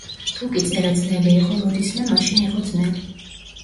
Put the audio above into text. თუკი წერა ძნელი იყო როდისმე, მაშინ იყო ძნელი.